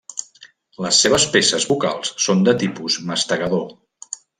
Les seves peces bucals són de tipus mastegador.